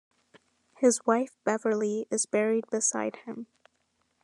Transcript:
His wife Beverley is buried beside him.